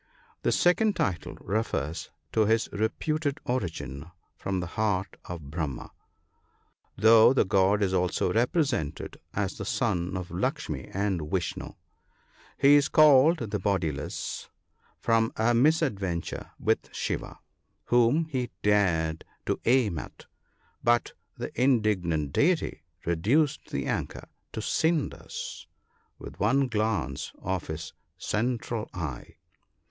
The second title refers to his reputed origin from the heart of Brahma, though the god is also represented as the son of Lukshmi and Vishnoo. He is called the Bodiless, from a misadventure with Shiva, whom he dared to aim at, but the indig nant deity reduced the archer to cinders with one glance of his central eye.